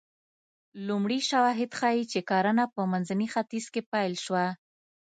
لومړي شواهد ښيي چې کرنه په منځني ختیځ کې پیل شوه